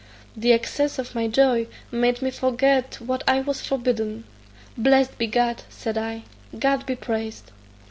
The excess of my joy made me forget what I was forbidden: "Blessed be God," said I; "God be praised."